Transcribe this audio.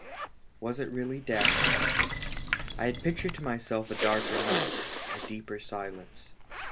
Was it really death? I had pictured to mj^self n darker night, a deeper silence.